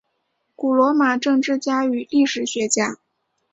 古罗马政治家与历史学家。